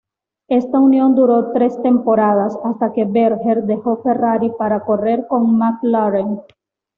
Esta unión duró tres temporadas, hasta que Berger dejó Ferrari para correr con McLaren.